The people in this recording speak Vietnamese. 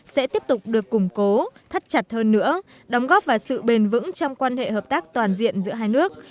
sẽ tiếp tục được củng cố thắt chặt hơn nữa đóng góp vào sự bền vững trong quan hệ hợp tác toàn diện giữa hai nước